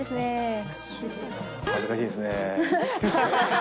恥ずかしいですね。